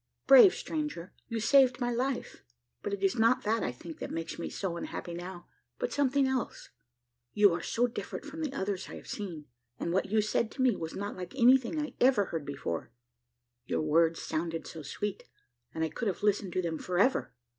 Brave stranger! you saved my life; but it is not that, I think, that makes me so unhappy now, but something else. You are so different from the others I have seen; and what you said to me was not like anything I ever heard before; your words sounded so sweet, and I could have listened to them for ever.